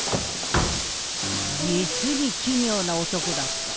実に奇妙な男だった。